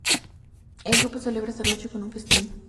El grupo celebra esa noche con un festín.